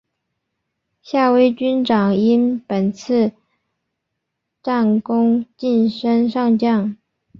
夏威军长因本次战功晋升上将。